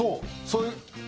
そういう。